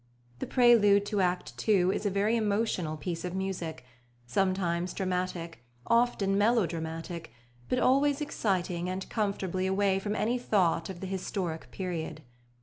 The prelude to Act ii. is a very emotional piece of music, sometimes dramatic, often melodramatic, but always exciting and comfortably away from any thought of the historic period.